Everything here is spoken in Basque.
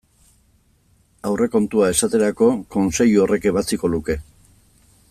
Aurrekontua, esaterako, Kontseilu horrek ebatziko luke.